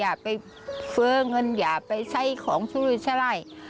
อย่าไปฟื้อเงินอย่าไปไส้ของชุดวิทยาลัย